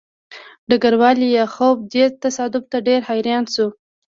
ډګروال لیاخوف دې تصادف ته ډېر حیران شو